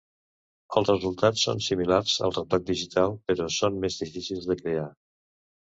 Els resultats són similars al retoc digital, però són més difícils de crear.